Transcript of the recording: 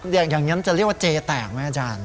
อย่างนั้นจะเรียกว่าเจแตกไหมอาจารย์